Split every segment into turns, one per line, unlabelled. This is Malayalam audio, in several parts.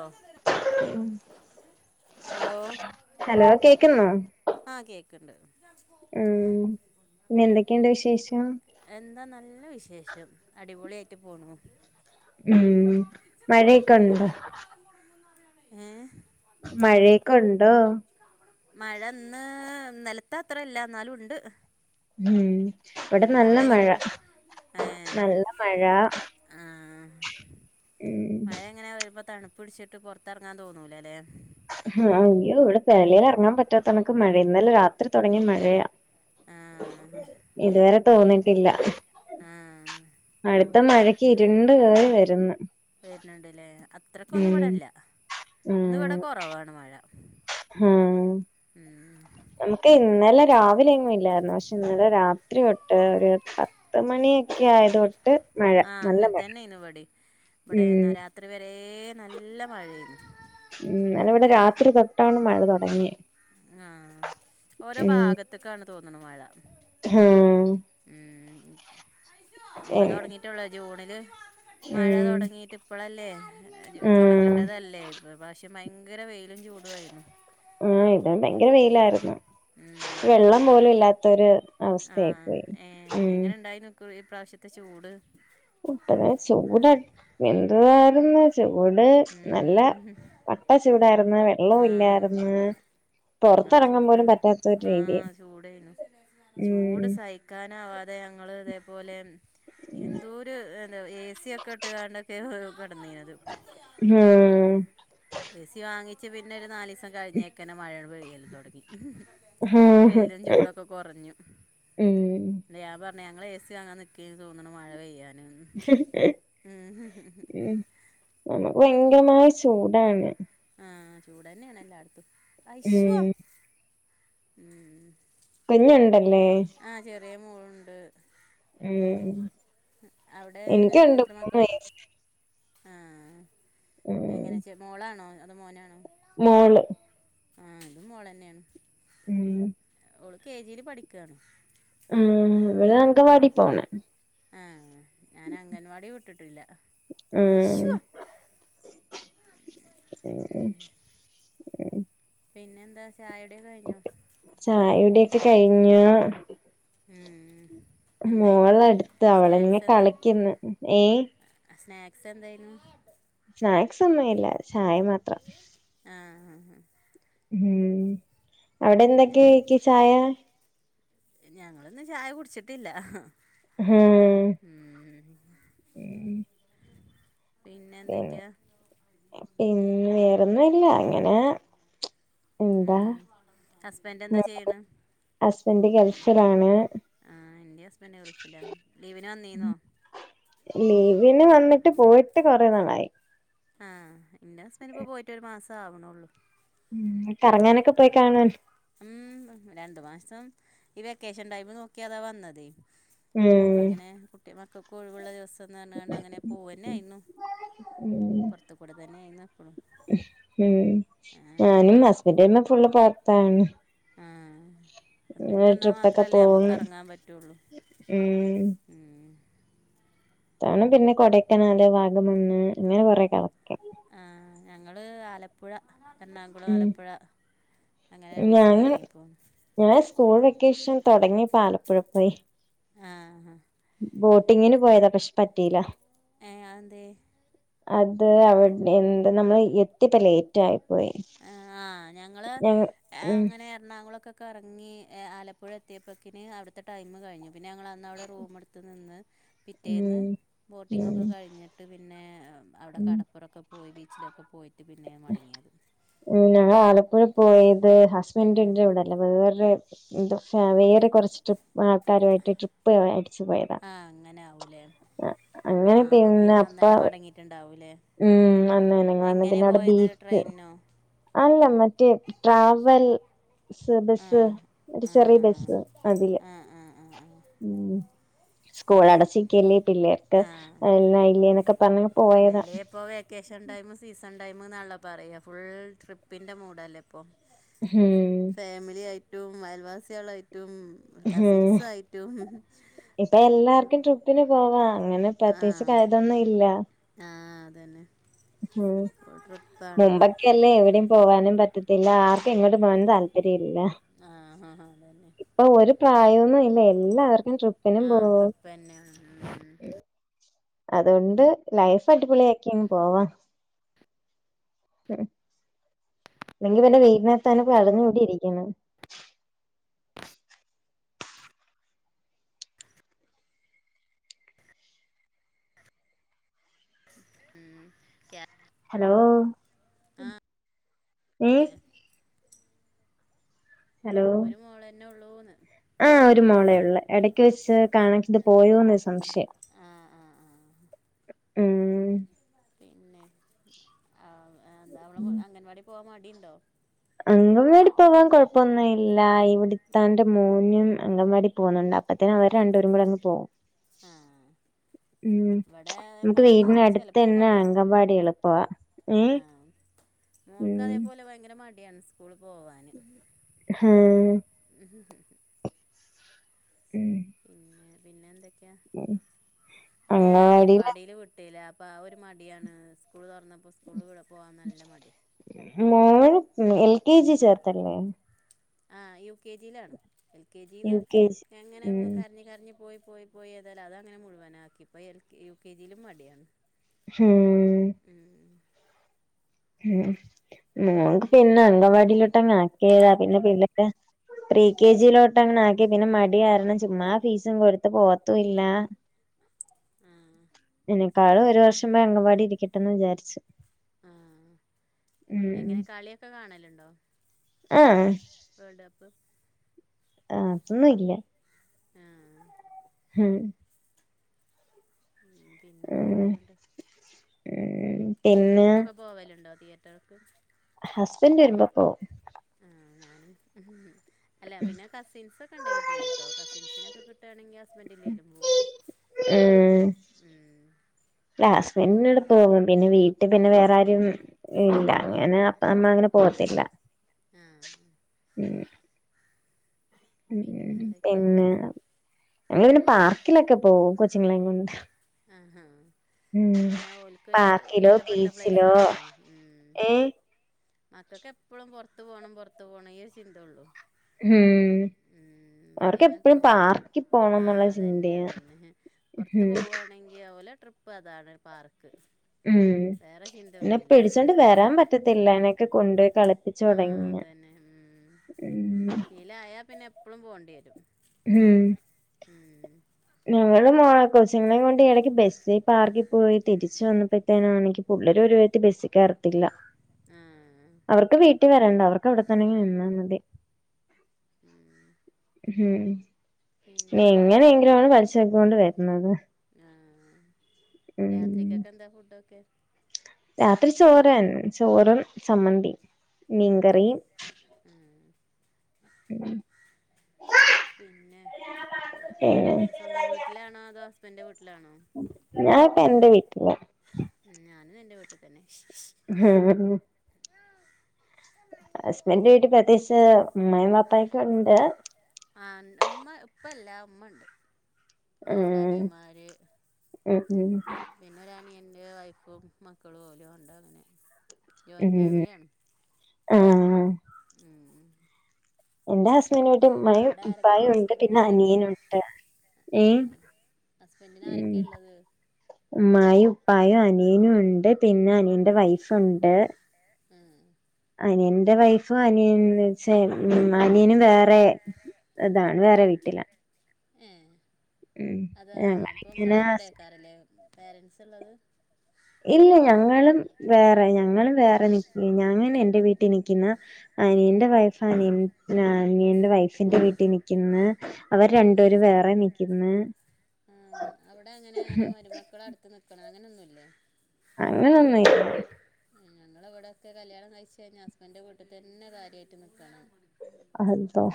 ഓഹ്
ഹലോ കേക്കുന്നോ
ആ കേക്കുണ്ട്
ഉം പിന്നെ എന്തൊക്കെയുണ്ട് വിശേഷം
എന്താ നല്ല വിശേഷം അടിപൊളിയായിട്ട് പോണു
ഉം മഴയൊക്കെ ഒണ്ടോ
ഏഹ്
മഴയൊക്കെ ഒണ്ടോ
മഴ ന്ന് ഇന്നലത്ത അത്ര ല്ലാ എന്നാലും ഉണ്ട്
ഉം ഇവിടെ
ഉം
നല്ല
അവിടെ എങ്ങനെ
മഴ
ണ്ട് ഏ
നല്ല മഴ
ആഹ്
ഉം
മഴ എങ്ങന വരുമ്പോൾ തണുപ് പിടിച്ചിട്ട് പുറത്തിറങ്ങാ തോന്നൂല്ല ലെ
ആഹ് അയ്യോ ഇവിടെ വെളീൽ ഇറങ്ങാൻ പറ്റാത്ത കണക് മഴ ഇന്നലെ രാത്രി തുടങ്ങിയ മഴയാ
ആ
ഇതുവരെ
അതന്നെ ഇവിടെ
തോന്നിട്ടില്ല
ആ
അടുത്ത മഴക്ക് ഇരുണ്ട് കേറി വരുന്ന്
വരുന്നുണ്ട് ല്ലേ അത്രക്കൊന്നും
ഉം
ഇവിടെല്ല ഇന്ന് ഇവിടെ കുറവാണ് മഴ
ഹും
ഉം
നമുക്ക് ഇന്നലെ രാവിലെ എങ്ങും ഇല്ലായിരുന്നു പക്ഷെ ഇന്നലെ രാത്രി തൊട്ട് ഒരു പത്ത് പത്ത് മണിയൊക്കെ ആയത് തൊട്ട് മഴ
ആഹ്
നല്ല
അങ്ങനെ
മഴ ഉം
ഇത്രവരെ നല്ല മഴയരുന്നു
ഉം അല്ല ഇവിടെ രാത്രി തൊട്ടാണ് മഴ തുടങ്ങിയെ
ആഹ ഓരോ ഭാഗത്തെക്കാണ് തോന്നണ് മഴ
ഹെ.
ഉം ഇപ്പ തുടങ്ങിട്ടുള്ളു ജൂണില് മഴ
ഉം
തൊടങ്ങിട്ട് ഇപ്പഴല്ലേ
ഉം
തൊടങ്ങേണ്ടതല്ലേ ഭശ് മയങ്കര വെയിലും ചൂടുമായിരുന്നു
ആഹ്‌ ഇത ഭയങ്കര വെയിലായിരുന്നു.
ഉം
വെള്ളം പോലും ഇല്ലാത്തൊരു അവസ്ഥയി പോയി ഉം
കു ഈ പ്രാവശ്യത്തെ ചൂട്.
ഇവിടെ ചൂട എന്തു വരന്നത് ചൂട് നല്ല
ഉം
കട്ട ചൂടായിരിന്ന്
ആഹ്
വെള്ളുല്ലായിരുന്നു
ഞങ്ങള് ചൂട്ട്
രീതി
ആഹ്‌ ചൂടേനു
ഉം
ചൂട് സഹി നിക്കാനാവാതെ ഞങ്ങൾ ഇതേ പോലെ. എന്തോരു എന്താ ഏ സി ക്കെട്ട്കാണ്ടൊക്കെ കിടന്നീനത്.
ഉം
എ സി വാങ്ങിച്ച് പിന്നെ ഒരു നാലിസം കഴിഞ്ഞേക്കന്നെ മഴ പെയ്ത്. തൊടങ്ങി വെയില് ചുടൊക്കെ കൊറഞ്ഞു
ഉം
ഞൻ പറഞ്ഞ ഞങ്ങള് എ സി വാങ്ങനിക്കെനി തോന്നുണു മഴ പേയ്യാണ്. [unintelligible]
ഉം നമുക്ക് എങ്കിലേ ചൂടാണ്.
ആഹ്‌ ചൂടന്നെയാണ് എല്ലാായിടത്തും അശ്വാ
ഉം
ഉം
കുഞ്ഞുണ്ടല്ലേ?
ചെറിയമോളുണ്ട്
ഉം
അവിടേ
എനിക്കുണ്ട്
എത്ര
മൂന്ന്
മക്കൾ.
വയസ്സ്
ആഹ്‌
ഉം
എങ്ങനെച്ച മോളാണോ? അതോ മോനാണോ?
മോള്.
ആഹ്‌ ഇതും മോളെന്നെണ്
ഉം
ഓള് കെ ജിൽ പഠിക്കാണ്.
മ് ഇവിടെ അങ്കവാടി പോണ്.
ആഹ്‌ ഞാൻ അംഗൻവാടി വിട്ടിട്ടില്ല ആഷു.
ങേഹ്
പിന്നെന്താ ചായ കുടി കഴിഞ്ഞോ?
ചായ കുടിയൊക്കെ കഴിഞ്ഞു.
ഉം എന്തായിനിന്ന്
മോളടുത്ത അവളെന്നേ
സ്നാക്സ് എന്തേനു
കടിക്ക്ന്ന് ഹെ
സ്നാക്സ് എന്തായിര്ന്നു
സ്നാക്സ് ഒന്നും ഇല്ല ചായ മാത്രം.
ആഹ്‌ ആ ആ
ഉം
പിന്നെ
അവിടെന്തൊക്കെയക്ക് ചായ.
ഞങ്ങളിന്ന് ചായ കുടിച്ചിട്ടില്ല.
ഉം
ഉംഹും
പിന്നെ
പിന്നെന്തക്കെയാ?
പിന്നെ വേറൊന്നല്ല അങ്ങനെ
ഉ
എന്താ
ഹസ്ബന്റ് എന്താ ചെയ്യണ്?
ഹസ്ബന്റ് ഗൾഫിലാണ്.
ആഹ്‌ എന്റെ ഹസ്ബന്റ് ഗൾഫില ലീവിന് വന്നീന്നോ
ലീവിന് വന്നിട്ട് പോയിട്ട് കൊറെേ നാളായി.
ആഹ് എന്റേസ്ബന്റ് പ്പ പോയിട്ടരു മാസം ആവണള്ളൂ
ഉം കറങ്ങാനൊക്കെ പോയി കാണ
ഉം രണ്ടു മാസം ഈ വെക്കേഷൻ ടൈമ് നോക്കിയതാ വന്നതേ.
ഉം
അപ്പങ്ങനെ കുട്ടിമക്കൾക്ക് കൊയിവുള്ള ദിവസം.. പു പറണ്ട് അങ്ങനെ പോവന്നെ ആയിരുന്നു
ഉം
പുറത്ത കൂടെ തന്നെ ആയിരുന്നു എപ്പളും
ഉം
ആഹ്
ഞാനും ഹസ്ബൻഡ്ന്റ് പിന്നെ ഫുള്ള് പോറത്താണ്
ആ ഹസ്ബൻഡ് വന്നാൽ മാത്രല്ലേനമ്മുക്ക് എറങ്ങാൻ പറ്റുള്ളൂ
ഏഹ്.
ഉം
ഞാനും പിന്നെ കൊടക്കനാല് വാഗമണ്ണ് അങ്ങനെ കൊറെ കറാ-
ആഹ് ഞങ്ങള് ആലപ്പുഴ എർണാകുളം
ഉം
ആലപ്പുഴ. അങ്ങനെ രണ്ടിസം
ഞാന്
കറങ്ങിപ്പോന്ന്
ഞാൻ സ്കൂൾ വെക്കേഷൻ തുടങ്ങിപ്പ ആലപ്പുഴ പോയി
ആഹ് ആ
ബോട്ടിങ്ങിന് പോയതാ പക്ഷെ പറ്റിയില്ല
ഏ അതെന്തേ
അത് അവിടെ എന്താ നമ്മള് എത്തിപ്പല്ലേ റ്റായി പോയി
എ ആഹ് ഞങ്ങള്
ഞങ്ങ
എ
ഉം
അങ്ങനെ എർണാകുളൊക്കെ കർങ്ങി എ ആലപ്പുഴ എത്തിയപ്പഴക്കിന് അവിട്ത്തെ ടൈം കഴിഞ്ഞു പിന്നെ ഞങ്ങള. അന്ന് അവിടെ റൂമെടുത്ത് നിന്ന് പിറ്റേന്ന്
ഉം ഉം
ബോട്ടിങ്ങൊക്കെ കഴിഞ്ഞിട്ട് പിന്നെ അവിടെ
ഉം
കടപ്പുറൊക്കെ പോയി ബീച്ചിലൊക്കെ പോയിട്ട് പിന്നെ മടങ്ങിയത്
ഉം ഞങ്ങള ആലപ്പുഴ പോയത് ഹസ്ബന്റിന്റെ ഇവിടെ അല്ല വേറെ എന്ത വേറെ കുറച്ച് ട്രിപ്പ് ആൾക്കാരുമായിട്ട് ട്രിപ്പ് പ്പ മരിച്ചു പോയതാ
ആഹ് അങ്ങനെ ആവൂലേ
അങ്ങനെ
ആഹ് അപ്പൊ
പിന്നെ
അന്ന്
അപ്പാ
തന്നെ മടങ്ങിയിട്ടുണ്ടാവൂലേ
ഉം അന്നന്നെ ങ് വന്ന്
എങ്ങനെ
പിന്നെ അവടെ
പോയത്
ബീച്ച്.
ട്രെയിനിനോ
അല്ല മറ്റേ ട്രാവൽ സബസ്
ആഹ്
ഒരു ചെറിയ ബസ് അതില്
ആ ആ
ഉം സ്കൂൾ അടച്ചിക്കല്ലേ പിള്ളേർക്ക് ഇല്ല എന്നൊക്കെ പറഞ്ഞ് പോയതാ
അല്ലേല്ലേ പോവ- ക്കേഷടൈം സീസൺ ടൈം ന്നാണല്ലൊ പറയ ഫുൾ ട്രിപ്പിൻ്റെ മൂഡല്ലേ പ്പം.
ഉം
ഫാമിലി ആയിട്ടും അയൽവാസിളായിട്ടും
ഉം
കസിൻസയിട്ടും.
ഇപ്പൊ
ഉ ഉ.
എല്ലാർക്കും ട്രിപ്പിന് പോവാ അങ്ങനെ പ്രത്യകിച്ച് കഴതൊന്നും ഇല്ല
ആ അതന്നെ
ഉം
ഫുൾ ട്രിപ്പാണല്ലോ
മുമ്പക്ക- ക്കല്ലേ എവിടെം പോവാനും പറ്റത്തില്ല ആർക്കു എങ്ങട്ട് പോവനും താല്പര്യയില്ല.
ആഹ് ആഹ് ആ അതന്നെ
അപ്പ ഒരു പ്രായന്നും ഇല്ല എല്ലാവർക്കും ട്രിപ്പിനും
ആഹ്
പോവും
ട്രിപ്പ്ന്നെ ഉം ഉം.
അതുകൊണ്ട് ലൈഫടിപൊളിയക്കിയങ്ങ് പോവാം. ല്ലാങ്കിൽ വൈന്നേരത്തെന്നെ അടഞ്ഞ് കൂടിയിരിക്കുന്നു
ഉം ക്യാ
ഹലോ
ആ ഏ,
ഏഹ്.
ഒരു മോളന്നെള്ളൂന്ന്.
ആ ഒരു മോളെ ഒള്ളു എടക്ക് വെച്ച് കണക്കട് പോയോന്ന് ഒരു സംശയം
ആ ആ ആ
ഉം
പിന്നെ ആ എന്താ അവള് മു അംഗൻവാടി പോവാൻ മടിണ്ടോ?
അംഗൻവാടി പോവാൻ കൊഴപ്പൊന്നുംല്ല ഇവിടത്താന്റെ മോനും അംഗൻവാടി പോകുന്നുണ്ട് അ- പ്പത്തിനു അവ രണ്ട്പേരും കൂടങ്ങ് പോവും.
സ് ആഹ്.
ഉം നമുക്ക്
മോക്ക്
വീടിനടുത്ത്
ചിലപ്പോൾ ഒരു
തന്നെ
മടിയാ
അങ്കവാടി എളുപ്പവാ ഏ ഉം
മോൾക്കതേപോലെ ഭയങ്കര മടിയാണ് സ്കൂള് പോവാന്
ആഹ്
ഉം ഉം
ഉം
പിന്നെ പിന്നെന്തൊക്കെയാ ഓളെ ഞാന്
അംഗവാടിയില്
ഗൻവാടിൽ വി ട്ടിലാപ്പ ആ ഒരു മഡ്യാണ് സ്കൂള് തൊർന്നപ്പോ സ്കൂള് പോവാൻ നല്ല മഡ്യാ
മോൻ എൽ കെ ജി ചേർത്തല്ലേ?
ആഹ് യു കെ ജിലാണ് എൽ കെ ജിന്ന്
യു കെ ജി
എങ്ങനെ
ഉം
കര്ഞ് കര്ഞ് പോയി പോയി പോയി ഏതാലും അതങ്ങനെ മുഴുവനാക്കി പ്പോ എൽ കെ യു കെ ജിലും മട്യണ്
മ്ഹ്
ഉം
ഉം മോക്ക് പിന്നെ അംഗൻവാടിയിലോട്ട ങ്ങാക്കീ
ആ
താ പിന്നെ പില്ലൊക്കെ പ്രീ കെ ജിയിലോട്ടങ്ങനാക്കി പിന്നെ മടി കാരണം ചുമ്മാ ഫീസും കൊടുത്ത് പോവത്തുല്ല
ആഹ്
ക്കാളും ഒരു വർഷം പോ അങ്കവാടി ഇരിക്കട്ടെന്ന് വിചാര്ച്ച്
ആഹ് എങ്ങനെ
ഉം
കളിയൊക്കെ കാണല്ണ്ടോ
ആഹ്
വേൾഡ് കപ്പ്
ആഹ അതൊന്നും ഇല്ല
ആഹ്
ഉം
ഉം
ഉം
പിന്നൊന്തൊക്ക്യേയാ ന്നട്ട്
ഉം പിന്നെ
മൂവിക്കൊക്കെ പോവല്ണ്ടോ തിയേറ്റർക്ക്
ഹസ്ബന്റ് വരുമ്പോ പ്പോ
ആ ഞാനും അല്ല പിന്നെ കസിൻസൊക്കെ ണ്ടെങ്കി പോവുട്ടോ കസിൻസിനൊക്കെ കിട്ടാണെങ്കി ഹസ്ബന്റില്ലേലും പോവും
ഉം ഉം
ഉം
ല്ല ഹസ്ബൻഡിന്നോടെ പോകും പിന്നെ വീട്ടി പിന്നെ വേറൊരും ഇല്ല അങ്ങനെ അപ്പ അമ്മ അങ്ങനെ പോകത്തില്ല
ആഹ്
ഉം
പിന്നെ
ഉം
എന്തൊക്കെയാ
പിന്നെ ഞങ്ങ പിന്നെ പാർക്കിലൊക്കെ പോവും കൊച്ചിങ്ങളേം കൊണ്ട്
ആഹ്
ഉം
അത് പിന്നെ ഓൽക്കൊരു
പാർക്കിലോ
ഇഷ്ടപ്പെട്ട
ബീച്ചിലോ
പ്ലേസാണല്ലോ ഉം
ഏ
മക്കക്കെപ്പളും പൊർത്ത് പോണം പൊർത്ത് പോണം ഈ ഒര് ചിന്തോള്ളൂ
ഉം
മ്മ് ഇവെടിം
അവർക്ക് എപ്പഴും
അങ്ങനെതന്നെ പക്ഷേ
പാർക്കിൽ പോണം
ആഹ്
എന്നുള്ള
അതന്നെ
ചിന്തയാ
അതന്നെ പൊർത്ത്
ഉം
പോവാ നെങ്കിയോ ഓല ട്രിപ്പതാണ് പാർക്ക്
ഉം
വേറെ
പിന്നെ
ചിന്തയൊന്നുമില്ല
പിടിച്ചോണ്ട് വരാൻ പറ്റത്തില്ല [unintelligible] കൊണ്ട്
ആഹ് അതന്നെ ഉം
ഉം
ശീലായാ പിന്നെ എപ്പ്ളും പോണ്ടിയെരും
ഉം
ഉം
ഞങ്ങള് മോ കോച്ചിങ്ങളേം കൊണ്ട് എട്ക്ക് ബെസ്സി പാർക്കി പോയി തിരിച്ചു വന്നപ്പെ തെനാണെങ്കി പുള്ളര് ഒരു വെദതി ബസ്സികേറ ത്തില്ല
ആ
അവർക്ക് വീട്ടി വരണ്ട അവർക്ക്
ആ
അവിടെത്തനന്നിങ്ങെ നിന്നാ മതി
ഉം
ഉം
പിന്നെന്താണ്ട്
എങ്ങനെയെങ്കിലും [unintelligible]
ആഹ്
ഉം
രാത്രികൊക്കെ ന്താ ഫുഡൊക്കെ?
രാത്രി ചോറന്നെ ചോറ് ചമ്മന്തി മീൻകറി
ഏഹ്
ഉം
പിന്നെ
പിന്നെ
സ്വന്തം വീട്ടിലാണോ അതോ ഹസ്ബൻ്ന്റെ വീട്ടിലാണോ
ഞാനപ്പോ എന്റെ വീട്ടില്
ഉം ഞാനും എൻ്റെ വീട്ടിൽ തന്നെ
[unintelligible] ഹസ്ബൻഡ് വീട്ടിൽ പ്രത്യേകിച്ച് അമ്മായിമ്മ പ്പായൊക്കെ ഒക്കെ ഉണ്ട്
ആ ഇപ്പല്ല ഉമ്മ ഉണ്ട് പിന്നെ രണ്ട് അനിയന്മാര്
മ്മ്
പിന്നെ ഒരു അനിയന്റെ വൈഫും മക്കളും ഓലും ഉണ്ട് അങ്ങനെ ജോയിൻറ്റ്
മ്മ്
ഫാമിലിയാണ്
മ്മ്
മ്മ്
എന്റെ ഹസ്ബൻ്റിൻ്റെ വീട്ടിൽ ഉമ്മായും
ആരൊക്കെ
ഉപ്പായും ഉണ്ട് പിന്നെ അനിയനുണ്ട് ഏ
ആഹ് ഹസ്ബൻ്റിന്
ഉം
ആരൊക്കെ ഉള്ളത്
ഉമ്മായും ഉപ്പായും അനിയനും ഉണ്ട് പിന്നെ അനിയൻ്റെ വൈഫുണ്ട്
മ്മ്
അനിയന്റെ വൈഫും അനിയനുന്നുച്ചാ അനിയൻ വേറെ അതാണോ ഇന്ന് വേറെ വീട്ടില്ലാ
ഏഹ് അതാ അപ്പൊ
ഞങ്ങളിങ്ങനെ
നിങ്ങളെ
ഹസ്-
കൂടെേക്കാരല്ലേ പേരന്സ് ഉള്ളത്
ഇല്ല ഞങ്ങളും വേറെ ഞങ്ങളും വേറെ ഞാൻ അയിന് എൻ്റെ വീട്ടിൽ എനിക്കിന്നാ
ആ
അനിയൻ്റെ വൈഫ് അനിയ അനിയന്റെ വൈഡ്ഫിന്റെ വീട്ടീല് നിക്കിന്നാ അവര് രണ്ടുപേരും വേറെ നിക്കിന്നെ
ആ അവിടെ അങ്ങനെ അങ്ങനെ മരുമക്കൾ അടുത്ത് നിക്കണം അങ്ങനൊന്നുല്ലെ
അങ്ങനൊന്നുല്ല
ഏഹ് ഞങ്ങളവടൊക്കെ കല്യാണം കഴിച്ചക്കഴിഞ്ഞാൽ ഹസ്‌ബൻ്റിൻ്റെ വീട്ട് തന്നെ കാര്യയാട്ട് നിക്കണം [inaudible]
അള്ളോ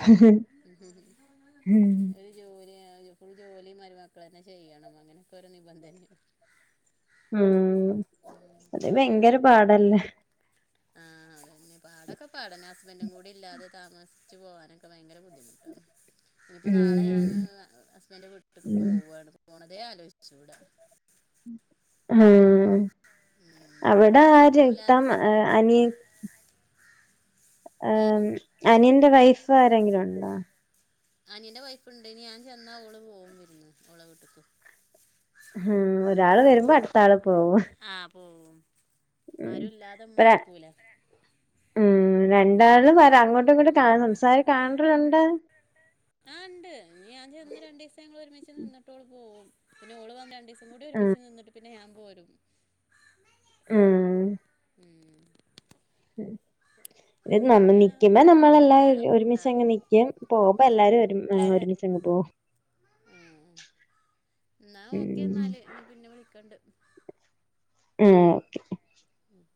ജോലി ഫുൾ ജോലി മരുമക്കൾ തന്നെ ചെയ്യണം അങ്ങനെയൊക്കെ ഓരോ നിബന്ധനാണ്
അത് ഭയങ്കര പാടല്ലേ
[inaudible] ആ അതന്നെ പാടൊക്കെ പാടന്നെ ഹസ്ബൻഡും കൂടി ഇല്ലാതെ താമസിച്ച് പോകാനൊക്കെ ഭയങ്കര ബുദ്ധിമുട്ട് [inaudible] ഇനിയിപ്പോ നാളെ
ഉം
ഞാന് ഞ്‌പ്പം നാളെ ഞാന് ഹസ്ബൻ്റിന്റെ വീട്ടിക്ക്
ഉം
പോവാണ് പോണതേ ആലോചിച്ചുടാ
മ്മ്
ഉം.
അവിടെ
ഓല
ആരിത്താ അനിയ
ഏ
അനിയൻ്റെ വൈഫ് ആരെങ്കിലുണ്ടോ
അനിയൻ്റെ വൈഫ്ണ്ട് ഇനി ഞാൻ ചെന്നാ ഓള് പോവും വിരുന്ന് ഓളെ വിട്ട്ക്ക്
ഒരാള് വരുമ്പോ അടുത്ത ആള് പോവും ഹ്ഹ്
ആ പോവും ആരുല്ലാതെ ഇമ്മ നിക്കൂല്ലാ
രണ്ടാളും വരാ അങ്ങോട്ടും ഇങ്ങോട്ടും കാണും സായ് കാൺഡ്ര്‌ണ്ട്
ആണ്ട് ഞ്ഞ് ഞാൻ ചെന്ന് രണ്ടീസം ഞങ്ങള് ഒരുമിച്ച് നിന്നിട്ട് ഓള് പോവും പിന്നെ ഓള് വന്ന് രണ്ടീസം ഒന്നും കൂടി
ആഹ്
ഒരുമിച്ച് നിന്നിട്ട് പിന്നെ ഞാൻ പോരും
മ്മ്
മ്മ്
ഉം ഇത് നമ്മ
ഞങ്ങള്
നിക്കുമ്പോ
നല്ല
എല്ലാരും
കൂട്ടാണ്
ഒരുമിച്ചങ്ങ് നിക്കും പോകുമ്പോ എല്ലാരും ഒരുമിച്ചങ്ങ് പോകും
ന്നാ ഓക്കെ
ഉം
ന്നാല് ഞ്ഞ് പിന്നെ വിളിക്കണ്ട്
മ്മ്
മ്മ്